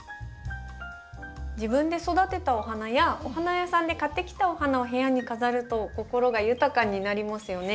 自分で育てたお花やお花屋さんで買ってきたお花を部屋に飾ると心が豊かになりますよね。